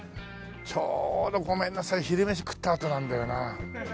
ちょうどごめんなさい昼飯食ったあとなんだよな。